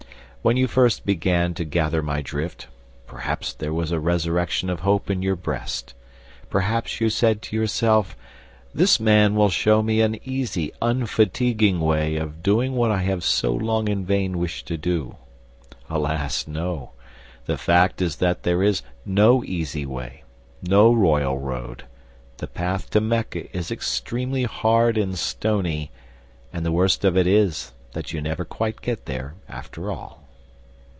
When you first began to gather my drift, perhaps there was a resurrection of hope in your breast. Perhaps you said to yourself, "This man will show me an easy, unfatiguing way of doing what I have so long in vain wished to do." Alas, no! The fact is that there is no easy way, no royal road. The path to Mecca is extremely hard and stony, and the worst of it is that you never quite get there after all.